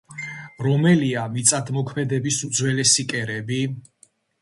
რომელია მიწადმოქმედების უძველესი კერები?